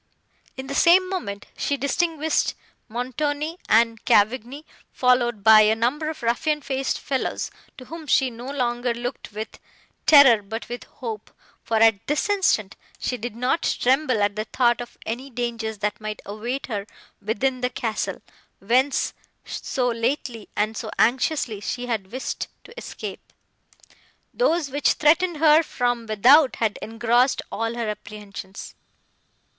In the same moment, she distinguished Montoni and Cavigni, followed by a number of ruffian faced fellows, to whom she no longer looked with terror, but with hope, for, at this instant, she did not tremble at the thought of any dangers, that might await her within the castle, whence so lately, and so anxiously she had wished to escape. Those, which threatened her from without, had engrossed all her apprehensions.